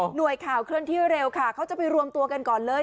หน่วยข่าวเคลื่อนที่เร็วค่ะเขาจะไปรวมตัวกันก่อนเลย